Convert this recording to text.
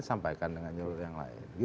sampaikan dengan jalur yang lain